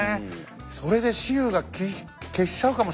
それで雌雄が決しちゃうかもしんないからね。